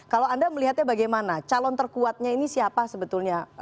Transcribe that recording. kalau anda melihatnya bagaimana calon terkuatnya ini apa yang anda lihat